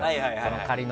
仮の。